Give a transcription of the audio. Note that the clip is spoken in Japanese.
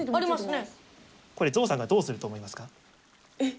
これゾウさんがどうすると思いますか？